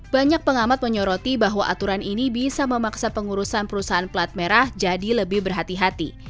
banyak pengamat menyoroti bahwa aturan ini bisa memaksa pengurusan perusahaan pelat merah jadi lebih berhati hati